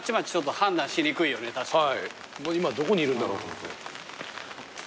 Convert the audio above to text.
今どこにいるんだろうと思って。